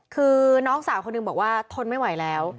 คือน้องสาวคนหนึ่งบอกว่าทนไม่ไหวแล้ว